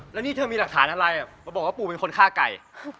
แล้วนี่เธอมีหลักฐานอะไรมาบอกว่าปูเป็นคนฆ่าไก่